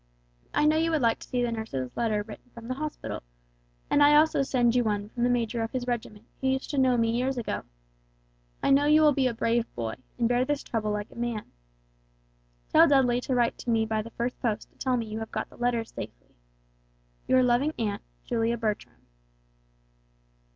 I know you would like to see the nurse's letter written from the hospital, and I also send you one from the major of his regiment who used to know me years ago. I know you will be a brave boy and bear this trouble like a man. Tell Dudley to write to me by the first post to tell me you have got the letters safely. "Your loving aunt, "JULIA BERTRAM."